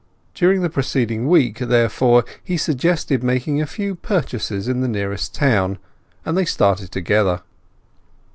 During the preceding week, therefore, he suggested making a few purchases in the nearest town, and they started together.